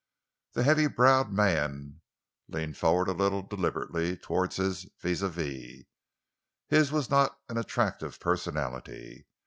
The heavy browed man leaned forward a little deliberately towards his vis à vis. His was not an attractive personality.